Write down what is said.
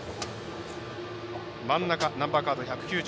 真ん中、ナンバーカード１９０。